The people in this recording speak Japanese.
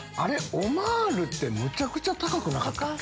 オマールってむちゃくちゃ高くなかったっけ？